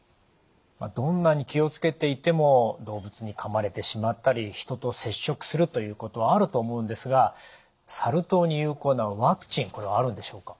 どんなに気を付けていても動物にかまれてしまったりヒトと接触するということはあると思うんですがサル痘に有効なワクチンこれはあるんでしょうか？